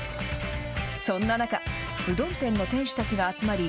そんな中うどん店の店主たちが集まり